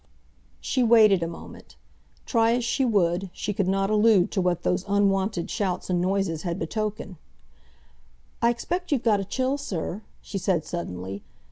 She waited a moment—try as she would, she could not allude to what those unwonted shouts and noises had betokened. "I expect you've got a chill, sir," she said suddenly.